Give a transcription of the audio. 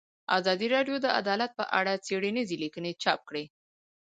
ازادي راډیو د عدالت په اړه څېړنیزې لیکنې چاپ کړي.